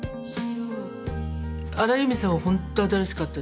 荒井由実さんはホント新しかったですね。